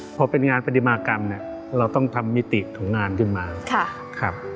พอเป็นงานพฤติมากรรมเราต้องทำมิติของงานขึ้นมา